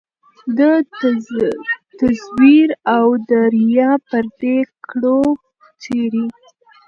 د تزویر او د ریا پردې کړو څیري